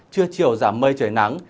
chưa chiều giảm mây trời nắng